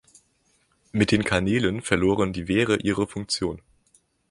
Mit den Kanälen verloren die Wehre ihre Funktion.